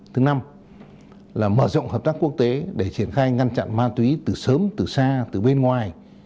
thứ năm là mở rộng hợp tác quốc tế để triển khai ngăn chặn ma túy từ sớm từ xa từ bên ngoài